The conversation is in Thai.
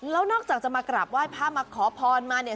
แล้วนอกจากจะมากราบไหว้พระมาขอพรมาเนี่ย